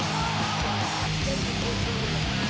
สวัสดีครับ